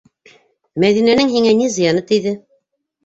Мәҙинәнең һиңә ни зыяны тейҙе?